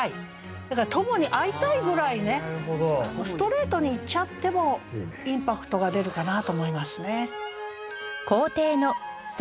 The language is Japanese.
だから「友に会いたい」ぐらいねストレートに言っちゃってもインパクトが出るかなと思いますね。